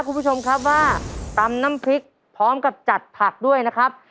คุณผู้ชมครับว่าตำน้ำพริกพร้อมกับจัดผักด้วยนะครับ